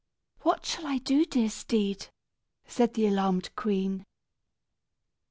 "What shall I do, dear steed?" said the alarmed queen.